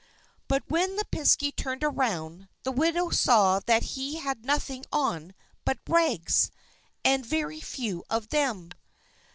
But when the Piskey turned around, the widow saw that he had nothing on but rags, and very few of them.